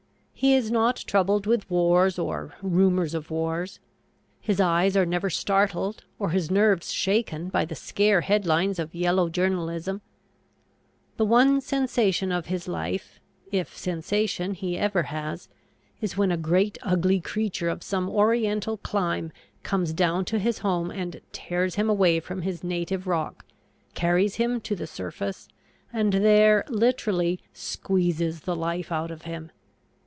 He is not troubled with wars or rumors of wars. His eyes are never startled or his nerves shaken by the scare headlines of yellow journalism. The one sensation of his life, if sensation he ever has, is when a great ugly creature of some Oriental clime comes down to his home and tears him away from his native rock, carries him to the surface, and there literally "squeezes the life out of him."